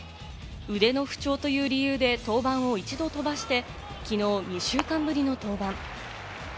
腕の不調という理由で登板を１度飛ばして、きのう２週間ぶりの登板。